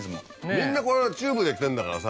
みんなこれチューブできてるんだからさ